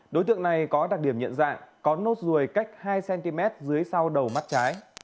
đối tượng này có đặc điểm nhận dạng có nốt ruồi cách hai cm dưới sau đầu mắt trái